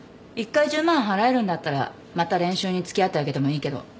１回１０万払えるんだったらまた練習に付き合ってあげてもいいけど。